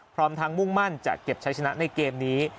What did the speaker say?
พร้อมทั้งมุ่งมั่นจะเก็บใช้ชนะในเกมนี้